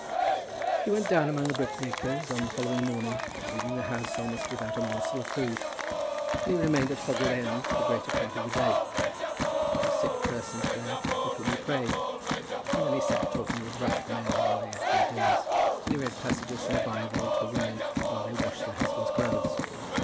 He went down among the brickmakers on the following morning, leaving the house almost without a morsel of food, and he remained at Hoggle End for the greater part of the day. There were sick persons there with whom he prayed, and then he sat talking with rough men while they ate their dinners, and he read passages from the Bible to women while they washed their husbands' clothes.